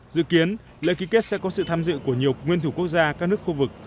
dự kiến lễ ký kết sẽ có sự tham dự của nhiều nguyên thủ quốc gia các nước khu vực